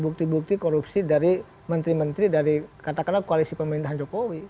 bukti bukti korupsi dari menteri menteri dari katakanlah koalisi pemerintahan jokowi